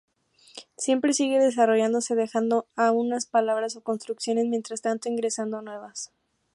Siempre sigue desarrollándose, dejando a unas palabras o construcciones mientras tanto ingresando nuevas.